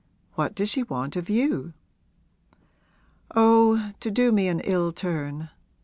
What does she want of you?' 'Oh, to do me an ill turn.